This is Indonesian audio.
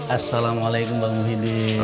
assalamualaikum pak muhyiddin